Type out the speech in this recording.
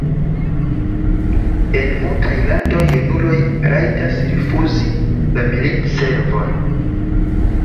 En multaj landoj junuloj rajtas rifuzi la militservon.